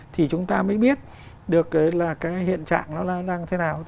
thì chúng ta mới biết được là cái hiện trạng nó đang thế nào